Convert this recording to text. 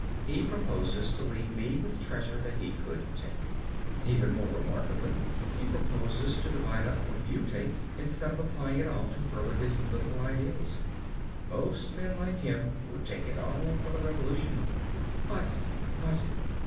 He proposes to leave me with treasure that he could take. Even more remarkably, he proposes to divide up what you take, instead of applying it all to further his political ideals. Most men like him would take it all for the revolution!" "But but